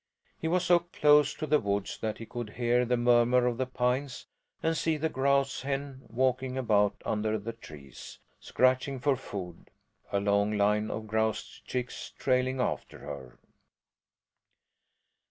He was so close to the woods that he could hear the murmur of the pines and see the grouse hen walking about under the trees, scratching for food along line of grouse chicks trailing after her.